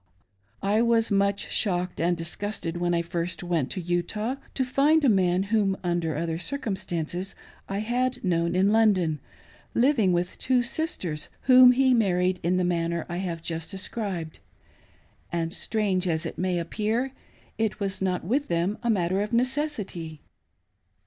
I was much shocked and disgusted when first I went to Utah, to"^ find a man whom under other circumstances I had known in London, living with two sisters whom he had mar MARRYING A WIDOW AND HER DAUGHTER! 469 tied in the manner I have just described, and, strange as it may appear, it was not with them a matter of necessity.